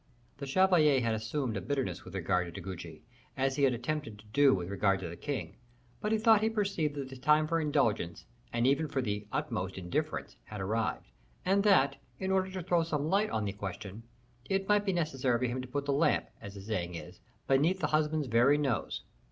The chevalier had assumed a bitterness with regard to De Guiche, as he had attempted to do with regard to the king; but he thought he perceived that the time for indulgence, and even for the utmost indifference, had arrived, and that, in order to throw some light on the question, it might be necessary for him to put the lamp, as the saying is, beneath the husband's very nose.